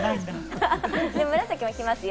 紫も着ますよ！